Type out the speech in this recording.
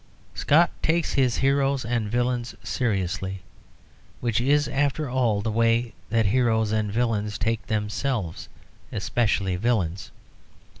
Scott takes his heroes and villains seriously, which is, after all, the way that heroes and villains take themselves especially villains.